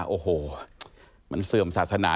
โอ้โหมันเสื่อมศาสนา